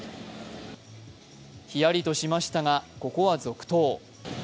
ヒヤリとしましたが、ここは続投。